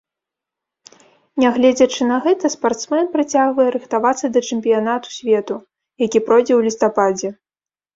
Нягледзячы на гэта, спартсмен працягвае рыхтавацца да чэмпіянату свету, які пройдзе ў лістападзе.